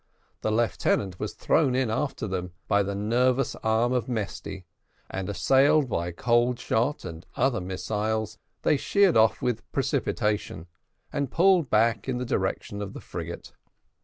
The lieutenant was thrown in after them, by the nervous arm of Mesty and, assailed by cold shot and other missiles, they sheered off with precipitation, and pulled back in the direction of the frigate.